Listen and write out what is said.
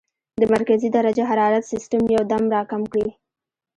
د مرکزي درجه حرارت سسټم يو دم را کم کړي -